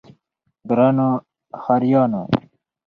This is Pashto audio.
ګرانو ښاريانو!